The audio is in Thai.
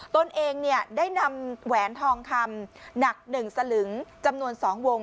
ตนเองได้นำแหวนทองคำหนัก๑สลึงจำนวน๒วง